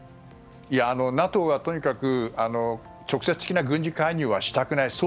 ＮＡＴＯはとにかく直接的な軍事介入はしたくない。